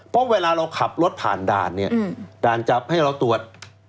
เพราะเวลาเราขับรถผ่านด่านเนี่ยด่านจับให้เราตรวจ